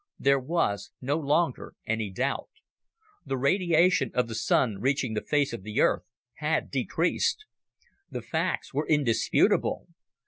There was no longer any doubt. The radiation of the Sun reaching the face of the Earth had decreased. The facts were indisputable.